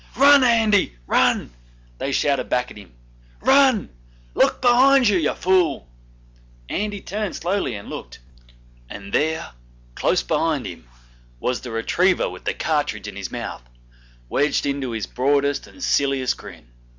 'Run, Andy! run!' they shouted back at him. 'Run!!! Look behind you, you fool!' Andy turned slowly and looked, and there, close behind him, was the retriever with the cartridge in his mouth wedged into his broadest and silliest grin.